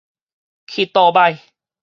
去倒䆀